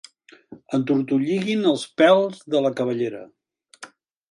Entortolliguin els pèls de la cabellera.